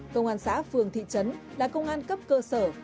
công an xã phường thị trấn là công an cấp cơ sở